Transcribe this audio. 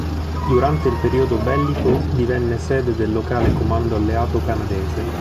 Durante il periodo bellico divenne sede del locale comando alleato canadese.